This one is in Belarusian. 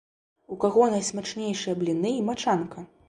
У каго найсмачнейшыя бліны і мачанка?